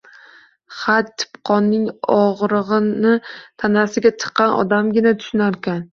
Ha, chipqonning og`rig`ini tanasiga chiqqan odamgina tushunarkan